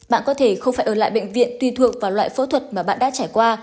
bạn có thể không phải ở lại bệnh viện tùy thuộc vào loại phẫu thuật mà bạn đã trải qua